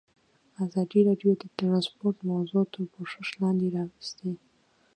ازادي راډیو د ترانسپورټ موضوع تر پوښښ لاندې راوستې.